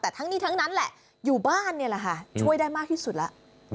แต่ทั้งนี้ทั้งนั้นแหละอยู่บ้านนี่แหละค่ะช่วยได้มากที่สุดแล้ว